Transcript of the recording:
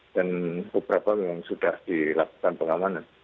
dan beberapa memang sudah dilakukan pengamanan